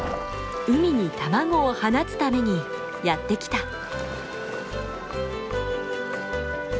海に卵を放つためにやって来た。